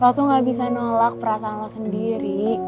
lo tuh ga bisa nolak perasaan lo sendiri